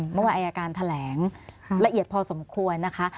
เมื่อวานอายการแถลงละเอียดพอสมควรนะคะ